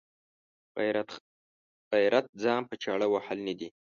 غیرت ځان په چاړه وهل نه دي.